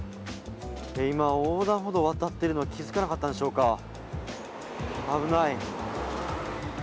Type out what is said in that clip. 今、横断歩道を渡ってるの気付かなかったんでしょうか、危ない。